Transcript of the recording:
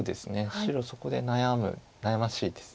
白そこで悩ましいです。